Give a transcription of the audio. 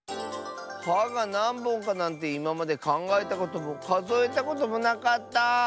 「は」がなんぼんかなんていままでかんがえたこともかぞえたこともなかった。